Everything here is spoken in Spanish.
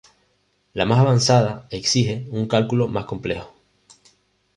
La más avanzada exige un cálculo más complejo.